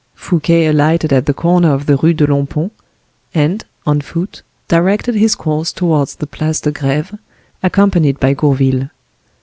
Fouquet alighted at the corner of the Rue de Long Pont, and, on foot, directed his course towards the Place de Greve, accompanied by Gourville.